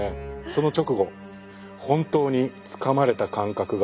その直後本当につかまれた感覚があるんですよ。